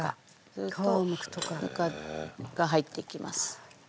するとぬかが入っていきます。